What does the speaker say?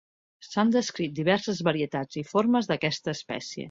S'han descrit diverses varietats i formes d'aquesta espècie.